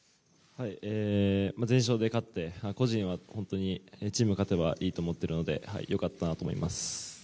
全勝で勝って、個人はチームが勝てばいいと思ってるので良かったなと思います。